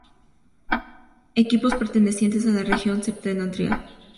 Equipos pertenecientes a la Región septentrional.